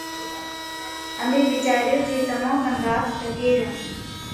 امي وِيچاريو جي تمون ڪنَ رات ٽڪي ريون۔